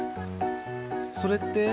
それって？